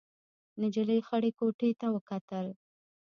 نجلۍ خړې کوټې ته وکتل.